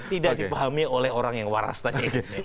tidak dipahami oleh orang yang waras tadi